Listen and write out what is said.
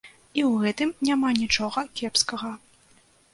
І ў гэтым няма нічога кепскага.